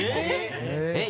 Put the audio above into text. えっ！